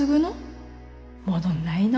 戻んないの？